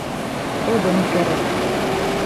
Оҙон кәрәк!